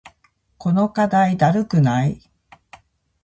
この課題だるくない？